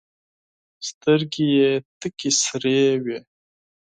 سترګي یې تکي سرې وې !